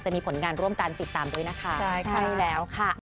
จะมีผลงานร่วมกันติดตามด้วยนะคะใช่แล้วค่ะ